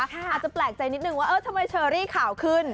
อาจจะแปลกใจนิดนึงว่าเออทำไมเชอรี่ข่าวขึ้น